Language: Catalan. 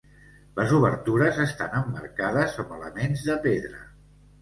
Les obertures estan emmarcades amb elements de pedra.